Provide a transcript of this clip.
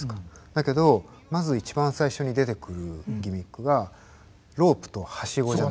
だけどまず一番最初に出てくるギミックがロープとハシゴじゃないですか。